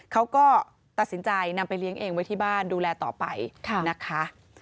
เขาก็ตัดสินใจนำไปเลี้ยงเองไว้ที่บ้านดูแลต่อไปนะคะ